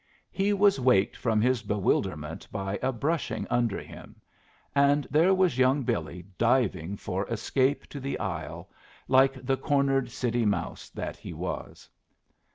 He was waked from his bewilderment by a brushing under him, and there was young Billy diving for escape to the aisle, like the cornered city mouse that he was.